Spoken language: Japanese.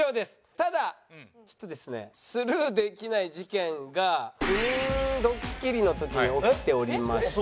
ただちょっとですねスルーできない事件が不眠ドッキリの時に起きておりまして。